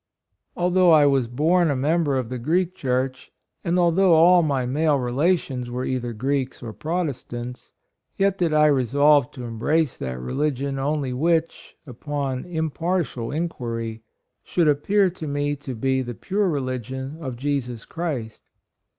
Although I was born a member of the Greek Church, and although all my male relations were either Greeks or Protestants, yet did I resolve to embrace that reli gion only which, upon impartial inquiry, should appear to me to be 30 HIS BIRTH, EDUCATION. the pure religion of Jesus Christ.